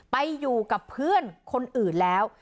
ไปอยู่กับเพื่อนคนอื่นแล้ว